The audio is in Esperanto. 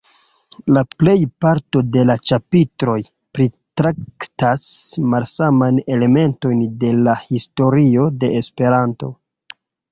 La plejparto de la ĉapitroj pritraktas malsamajn elementojn de la historio de Esperanto.